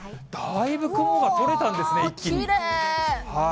だいぶ雲が取れたんですね、一気に。